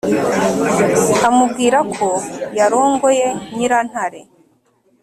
amubwira ko yarongoye nyirantare